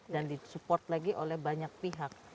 dan di support lagi oleh banyak pihak